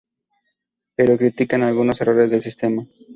Pero critican algunos errores del sistema.